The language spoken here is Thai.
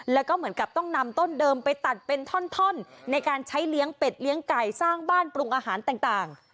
แล้วก็เหมือนกับต้องนำต้นเดิมไปตัดเป็นท่อนในการใช้เลี้ยงเป็ดเลี้ยงไก่สร้างบ้านปรุงอาหารต่าง